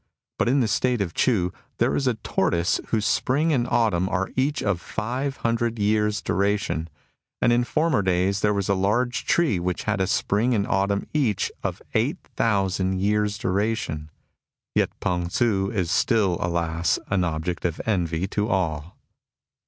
But in the State of Ch'u there is a tortoise whose spring and autumn are each of five hundred years' duration. And in former days there was a large tree which had a spring and autumn each of eight thousand years' duration. Yet P'^ng Tsu * is still, alas ! an object of envy to all.